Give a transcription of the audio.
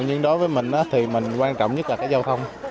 nhưng đối với mình thì mình quan trọng nhất là cái giao thông